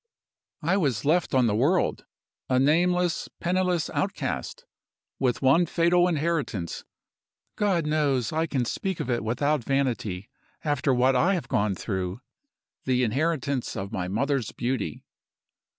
"I was left on the world, a nameless, penniless outcast, with one fatal inheritance God knows, I can speak of it without vanity, after what I have gone through! the inheritance of my mother's beauty.